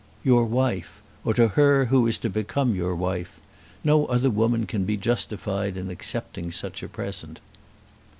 "Your wife; or to her who is to become your wife. No other woman can be justified in accepting such a present."